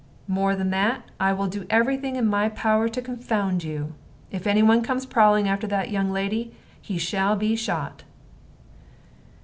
"More than that. I will do every thing in my power to confound you. If any one comes prowling after that young lady, he shall be shot."